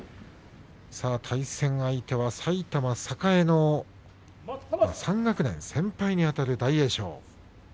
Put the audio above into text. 対戦相手は埼玉栄の３学年先輩にあたる大栄翔です。